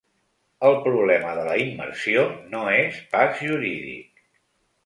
El problema de la immersió no és pas jurídic.